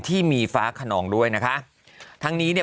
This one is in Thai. ที่มีฟ้าขนองด้วยนะคะทั้งนี้เนี่ย